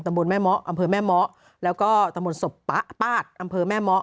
ตำบลแม่หมออำเภอแม่หมอแล้วก็ตำบลสบป้าดอำเภอแม่หมอ